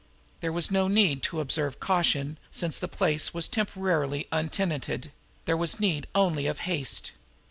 There was no need to observe caution since the place was temporarily untenanted; there was need only of haste.